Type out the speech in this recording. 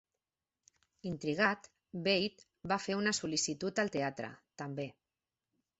Intrigat, Veidt va fer una sol·licitud al teatre, també.